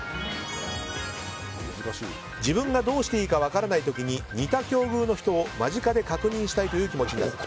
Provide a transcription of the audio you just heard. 自分がどうしていいか分からない時に似た境遇の人を間近で確認したいという気持ちになる。